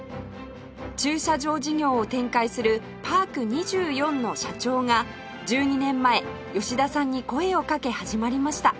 駐車場事業を展開するパーク２４の社長が１２年前吉田さんに声をかけ始まりました